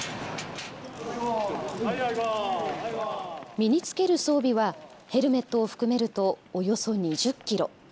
身に着ける装備はヘルメットを含めるとおよそ２０キロ。